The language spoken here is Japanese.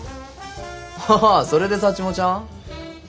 ああそれでサッチモちゃん。